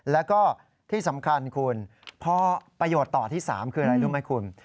แล้วก็ที่สำคัญคุณพอประโยชน์ต่อที่๓คืออะไรรู้ไหมคุณ